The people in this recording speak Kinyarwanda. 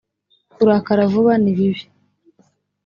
kurakara vuba ni bibi